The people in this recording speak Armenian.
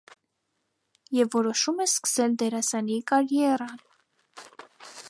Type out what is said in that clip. Եվ որոշում է սկսել դերասանի կարիերան։